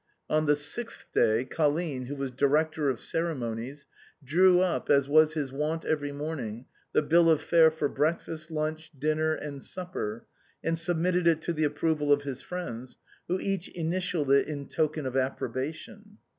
On the sixth day Colline, who was director of ceremonies, drew up, as was his wont every morning, the bill of fare for breakfast, lunch, dinner, and supper, and submitted it to the approval of his friends, who each initialled it in token of approbation.